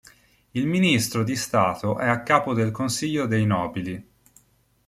Il Ministro di Stato è a capo del Consiglio dei Nobili.